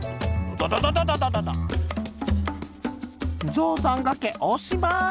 「ぞうさんがけおしまーい！